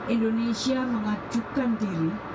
indonesia mengajukan diri